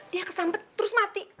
dia kesampet terus mati